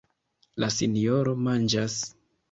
La sinjoro manĝas.